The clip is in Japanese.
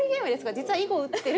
実は囲碁を打ってる。